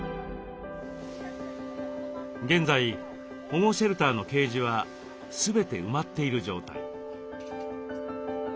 現在保護シェルターのケージは全て埋まっている状態。